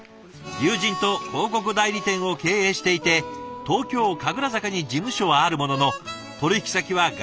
友人と広告代理店を経営していて東京・神楽坂に事務所はあるものの取引先は外資系企業ばかり。